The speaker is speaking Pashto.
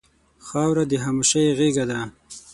خاوره د خاموشۍ غېږه ده.